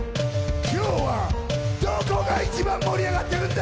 今日はどこが一番盛り上がってるんだ！